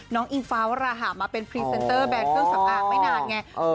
อิงฟ้าวราหะมาเป็นพรีเซนเตอร์แบรนเครื่องสำอางไม่นานไง